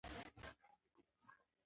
کرکټ یو نړۍوال پیوستون رامنځ ته کوي.